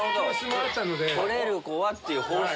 「来れる子は」っていう放送。